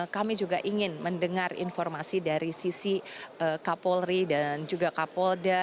kami juga ingin mendengar informasi dari sisi kapolri dan juga kapolda